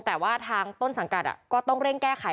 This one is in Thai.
แต่ว่าทางต้นสังกัดก็ต้องเร่งแก้ไข